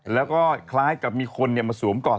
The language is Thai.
แล้วก็คล้ายกับมีคนมาสวมกอด